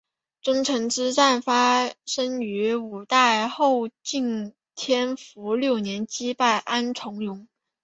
宗城之战发生于五代后晋天福六年击败安重荣。